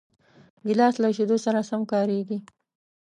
ګیلاس له شیدو سره هم کارېږي.